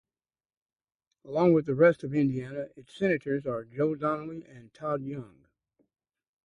Along with the rest of Indiana, its Sentators are Joe Donnelly and Todd Young.